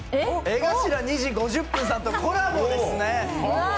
江頭２：５０さんとコラボですね。